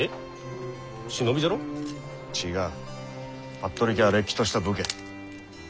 服部家はれっきとした武家。